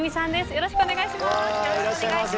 よろしくお願いします。